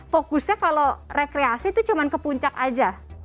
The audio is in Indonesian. fokusnya kalau rekreasi itu cuma ke puncak aja